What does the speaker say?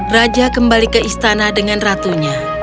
raja kembali ke istana dengan ratunya